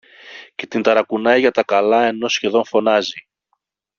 και την ταρακουνάει για τα καλά ενώ σχεδόν φωνάζει